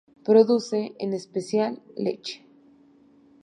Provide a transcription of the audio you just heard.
Produce, en especial, leche.